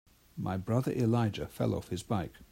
My brother Elijah fell off his bike.